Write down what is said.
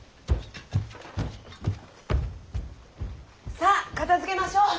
さあ片づけましょう。